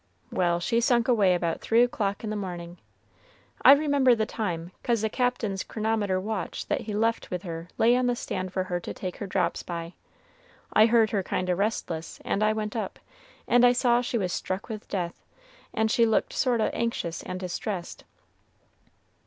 Well, she sunk away about three o'clock in the morning. I remember the time, 'cause the Cap'n's chronometer watch that he left with her lay on the stand for her to take her drops by. I heard her kind o' restless, and I went up, and I saw she was struck with death, and she looked sort o' anxious and distressed.